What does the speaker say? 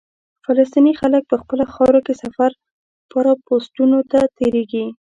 فلسطیني خلک په خپله خاوره کې سفر لپاره پوسټونو ته تېرېږي.